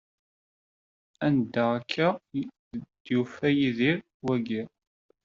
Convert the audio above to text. Anda ay d-yufa Yidir wi?